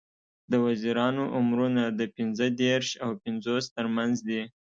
د وزیرانو عمرونه د پینځه دیرش او پینځوس تر منځ دي.